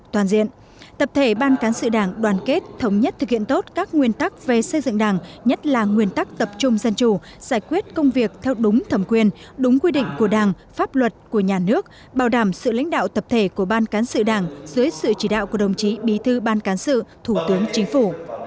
toàn diện tập thể ban cán sự đảng đoàn kết thống nhất thực hiện tốt các nguyên tắc về xây dựng đảng nhất là nguyên tắc tập trung dân chủ giải quyết công việc theo đúng thẩm quyền đúng quy định của đảng pháp luật của nhà nước bảo đảm sự lãnh đạo tập thể của ban cán sự đảng dưới sự chỉ đạo của đồng chí bí thư ban cán sự thủ tướng chính phủ